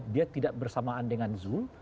dia tidak bersamaan dengan zul